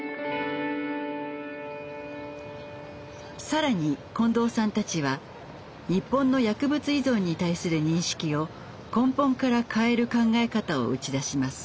更に近藤さんたちは日本の薬物依存に対する認識を根本から変える考え方を打ち出します。